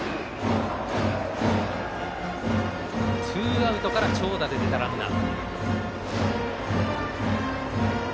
ツーアウトから長打で出たランナー。